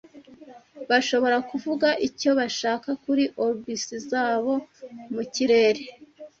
Bashobora kuvuga icyo bashaka kuri orbs zabo mu kirere,